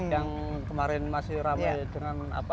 yang kemarin masih ramai dengan apa